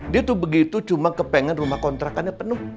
dia tuh begitu cuma kepengen rumah kontrakannya penuh